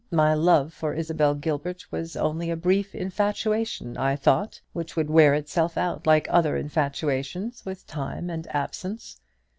My love for Isabel Gilbert was only a brief infatuation, I thought, which would wear itself out like other infatuations, with time and absence.